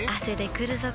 くるぞ？